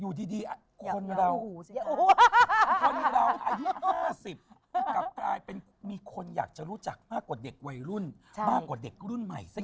อยู่ดีคนเราคนเราอายุ๕๐กลับกลายเป็นมีคนอยากจะรู้จักมากกว่าเด็กวัยรุ่นมากกว่าเด็กรุ่นใหม่ซะ